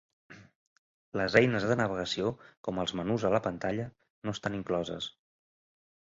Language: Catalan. Les eines de navegació, com els menús a la pantalla, no estan incloses.